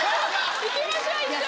行きましょう一緒に！